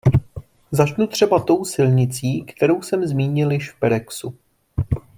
Začnu třeba tou silnicí, kterou jsem zmínil již v perexu.